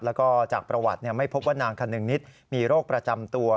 แล้วก็จากประวัติไม่พบว่านางคนึงนิดมีโรคประจำตัว